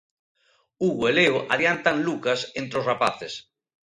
Hugo e Leo adiantan Lucas entre os rapaces.